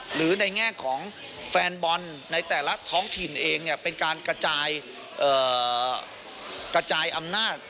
หรือในแง่ของแฟนบอลในแต่ละท้องถิ่นเองเป็นการกระจายกระจายอำนาจ